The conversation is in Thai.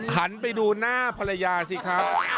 หันไปดูหน้าภรรยาสิครับ